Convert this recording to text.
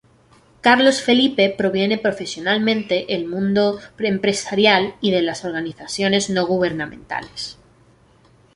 Carlos Felipe proviene profesionalmente el mundo empresarial y de las organizaciones no gubernamentales.